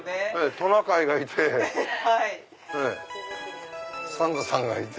トナカイがいてサンタさんがいて。